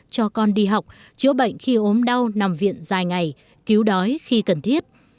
cho con đi học chữa bệnh khi ốm đau nằm viện dài ngày cứu đói khi cần thiết